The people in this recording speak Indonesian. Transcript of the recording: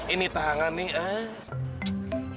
ini tangan nih ah